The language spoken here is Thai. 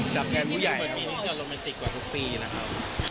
จับแค่มือใหญ่นะครับ